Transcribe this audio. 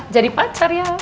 jadi pacar ya